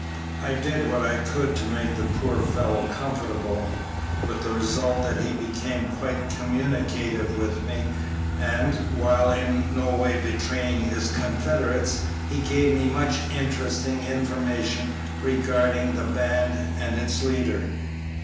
I did what I could to make the poor fellow comfortable, with the result that he became quite communicative with me, and, while in no way betraying his confederates, he gave me much interesting information regarding the band and its leader.